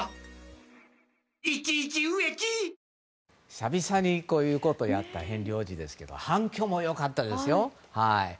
久々にこういうことをやったヘンリー王子ですけれども反響も良かったですよ！